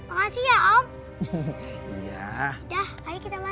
makasih ya om